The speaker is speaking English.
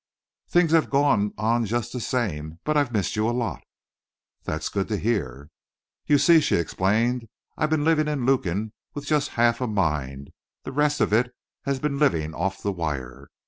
"Things have gone on just the same but I've missed you a lot!" "That's good to hear." "You see," she explained, "I've been living in Lukin with just half a mind the rest of it has been living off the wire.